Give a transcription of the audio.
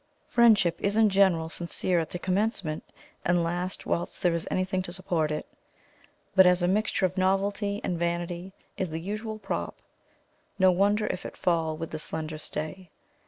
Friendship is in general sincere at the commencement, and lasts whilst there is anything to support it; but as a mixture of novelty and vanity is the usual prop, no wonder if it fall with the slender stay.